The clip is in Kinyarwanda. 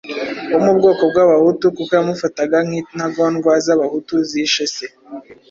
wo mu bwoko bw'Abahutu kuko yamufataga nk'intagondwa z'Abahutu zishe se.